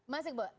masih ke bawah